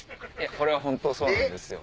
これは本当そうなんですよ。